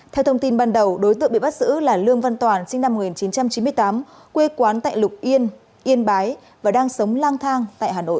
theo thông tin ban đầu đối tượng bị bắt giữ là lương văn toàn sinh năm một nghìn chín trăm chín mươi tám quê quán tại lục yên yên bái và đang sống lang thang tại hà nội